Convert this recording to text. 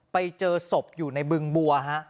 ไปเจอศพอยู่ในบึงบัวฮะ